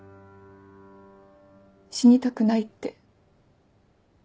「死にたくない」って。